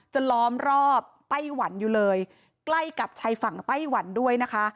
ล้อมรอบไต้หวันอยู่เลยใกล้กับชายฝั่งไต้หวันด้วยนะคะ